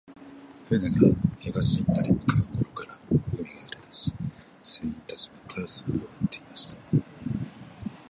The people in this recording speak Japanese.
船が東インドに向う頃から、海が荒れだし、船員たちは大そう弱っていました。